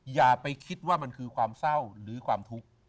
อย่าไปคิดว่ามันคือความเศร้าหรือความทุกข์